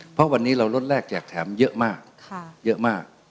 เพราะวันนี้เราลดแรกแจกแถมเยอะมากเยอะมาก